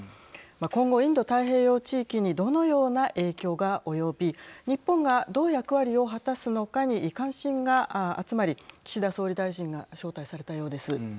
今後、インド太平洋地域にどのような影響が及び日本が、どう役割を果たすのかに関心が集まり、岸田総理大臣が招待されたようです。